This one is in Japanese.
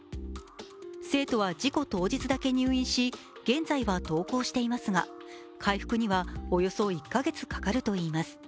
生徒は事故当日だけ入院し現在は登校していますが回復にはおよそ１か月かかるといいます。